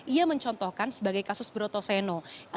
ia mencontohkan sebagai kasus broto seno